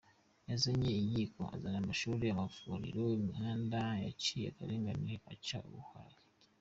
Yazanye inkiko, azana Amashuri, Amavuliro, Imihanda, yaciye akarengane, aca ubuhake.